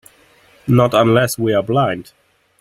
Not unless we're blind.